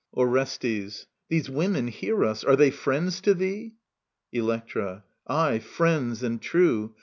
Orestes. These women hear us. Are they friends to thee ? Electra. Aye, friends and true.